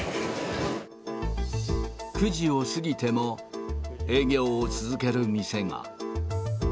９時を過ぎても、営業を続ける店が。